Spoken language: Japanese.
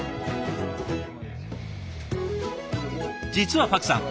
実はパクさん